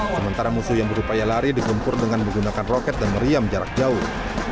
sementara musuh yang berupaya lari digempur dengan menggunakan roket dan meriam jarak jauh